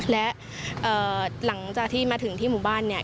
และหลังจากที่มาถึงที่หมู่บ้านเนี่ย